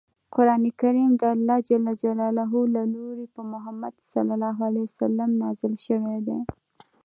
قران کریم دالله ج له لوری په محمد ص نازل شوی دی.